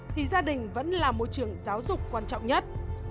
thì gia đình vẫn là môi trường giáo dục quan trọng nhất